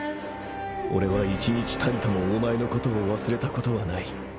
俺は一日たりともお前のことを忘れたことはない。